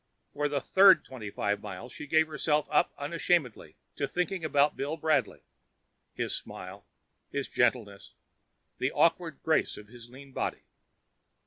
For the third twenty five miles she gave herself up unashamedly to thinking about Bill Bradley: his smile, his gentleness, the awkward grace of his lean body.